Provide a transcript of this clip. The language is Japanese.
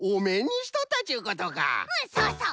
そうそう。